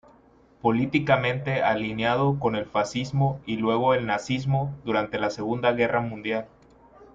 Políticamente alineado con el fascismo y luego el nazismo durante la Segunda Guerra Mundial.